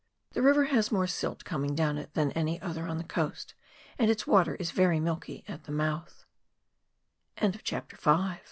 The river has more silt coming down it than any other on the coast, and its water is very milky at the m